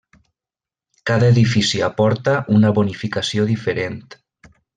Cada edifici aporta una bonificació diferent.